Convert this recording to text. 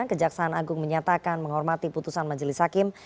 kejaksaan agung menyatakan menghormati putusan majelis hakim